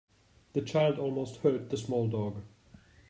The child almost hurt the small dog.